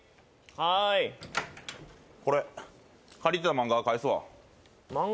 はーいこれ借りてた漫画返すわ漫画？